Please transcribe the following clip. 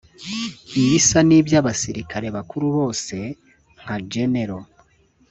Ibisa nibyo abasirikare bakuru bose nka Gen